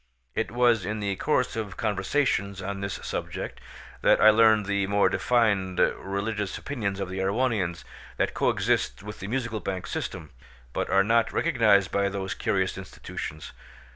It was in the course of conversations on this subject that I learned the more defined religious opinions of the Erewhonians, that coexist with the Musical Bank system, but are not recognised by those curious institutions.